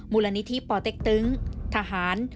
มูลนิธิปอเต็กตึงทหาร